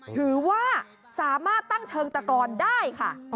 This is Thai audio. ถือว่าสามารถตั้งเชิงตะกอนได้ค่ะ